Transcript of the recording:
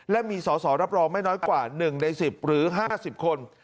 และมีสอสอรับรองไม่น้อยกว่า๑ใน๑๐หรือ๕๐คน